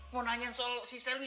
mau nanyain soal si selvi